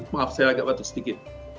maaf saya agak batuk sedikit